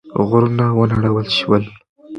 غرونه ونړول شول.